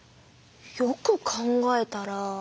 よく考えたら。